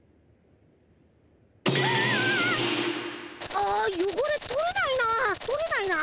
あよごれとれないなぁとれないなぁ。